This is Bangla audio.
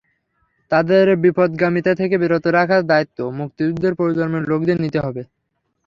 তাদের বিপথগামিতা থেকে বিরত রাখার দায়িত্ব মুক্তিযুদ্ধের প্রজন্মের লোকদের নিতে হবে।